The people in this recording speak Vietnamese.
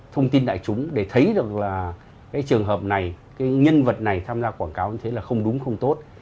thông tin đại chúng để thấy được là cái trường hợp này cái nhân vật này tham gia quảng cáo như thế là không đúng không tốt